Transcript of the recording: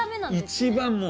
一番もう。